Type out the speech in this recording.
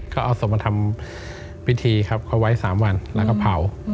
ก็เอาศพมาทำพิธีครับเขาไว้๓วันแล้วก็เผา